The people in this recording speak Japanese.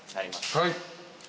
はい。